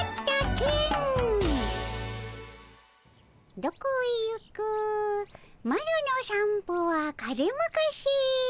「どこへゆくマロの散歩は風まかせ。